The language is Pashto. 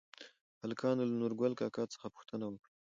هلکانو له نورګل کاکا څخه پوښتنه وکړه؟